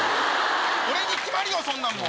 俺に決まりよそんなもん。